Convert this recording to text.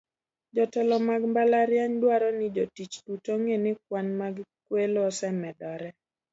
Jotelo mag mbalariany dwaro ni jotich duto ong'e ni kwan mag kwelo osemedore.